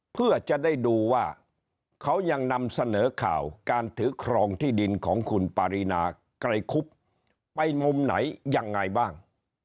เพื่อจะได้ดูว่าเขายังนำเสนอข่าวการถือครองที่ดินของคุณปารีนาไกรคุบไปมุมไหนยังไงบ้าง